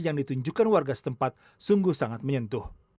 yang ditunjukkan warga setempat sungguh sangat menyentuh